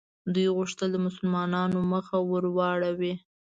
دوی غوښتل د مسلمانانو مخه ور واړوي.